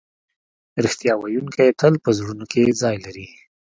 رښتیا ویونکی تل په زړونو کې ځای لري.